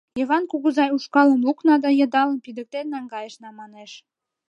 Йыван кугызай ушкалым лукна да йыдалым пидыктен наҥгайышна, манеш.